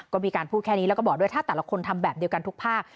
ก็มีการพูดแค่นี้แล้วก็บอกด้วยถ้าแต่ละคนทำแบบเดียวกันทุกภาค